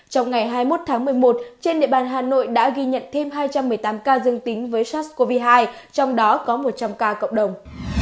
trong ngày hai mươi một tháng một mươi một trên địa bàn hà nội đã ghi nhận thêm hai trăm một mươi tám ca dương tính với sars cov hai trong đó có một trăm linh ca cộng đồng